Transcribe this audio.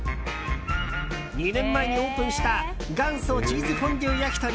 ２年前にオープンした元祖チーズフォンデュ焼鳥